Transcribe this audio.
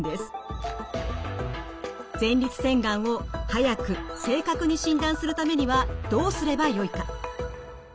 前立腺がんを早く正確に診断するためにはどうすればよいか。